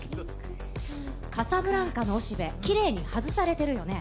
カサブランカのおしべ、きれいに外されてるよね。